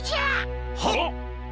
はっ！